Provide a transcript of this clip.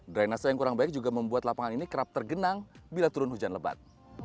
drainase yang kurang baik juga membuat lapangan ini kerap tergenang bila turun hujan lebat